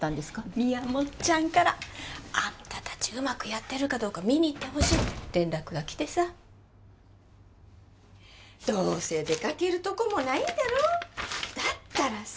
みやもっちゃんからあんた達うまくやってるかどうか見に行ってほしいって連絡が来てさどうせ出かけるとこもないんだろだったらさ